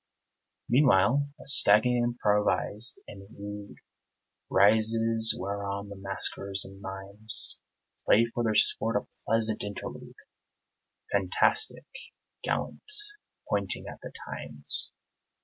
Meanwhile a staging improvised and rude Rises, whereon the masquers and the mimes Play for their sport a pleasant interlude, Fantastic, gallant, pointing at the times.